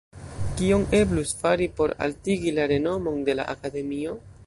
Kion eblus fari por altigi la renomon de la Akademio?